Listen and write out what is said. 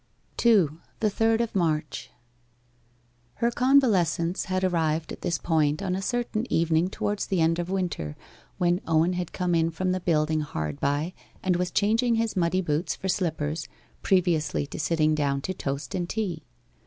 2. THE THIRD OF MARCH Her convalescence had arrived at this point on a certain evening towards the end of the winter, when Owen had come in from the building hard by, and was changing his muddy boots for slippers, previously to sitting down to toast and tea.